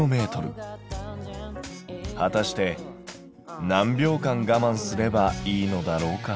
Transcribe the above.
はたして何秒間がまんすればいいのだろうか。